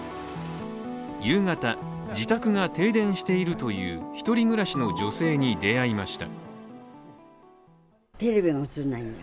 夕方、自宅が停電しているという１人暮らしの女性に出会いました。